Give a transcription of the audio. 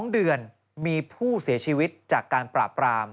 ๒เดือนมีผู้เสียชีวิตจากการปราบราม